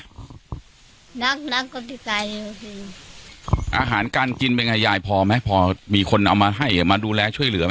นักนักก็ไปใกล้อาหารการกินเป็นไงยายพอมั้ยพอมีคนเอามาให้มาดูแลช่วยเหลือมั้ย